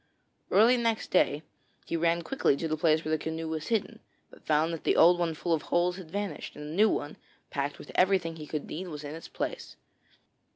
Early next day he ran quickly to the place where the canoe was hidden, but found that the old one full of holes had vanished, and a new one, packed with everything he could need, was in its place.